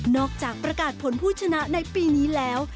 จากประกาศผลผู้ชนะในปีนี้แล้ว